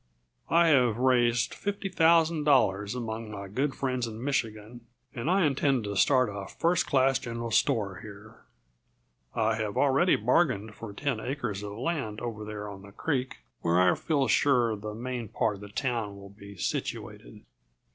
I have raised fifty thousand dollars among my good friends in Michigan, and I intend to start a first class general store here. I have already bargained for ten acres of land over there on the creek, where I feel sure the main part of the town will be situated.